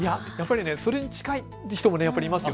それに近い人もいますよ。